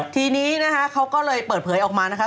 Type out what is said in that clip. ทีนี้นะคะเขาก็เลยเปิดเผยออกมานะคะ